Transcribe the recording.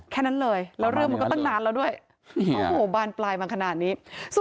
แค่นั้นเลยแล้วเรื่องมันก็ตั้งนานแล้วด้วยโอ้โหบานปลายมาขนาดนี้